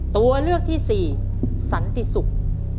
ตัวเลือกที่สี่สันติศุกร์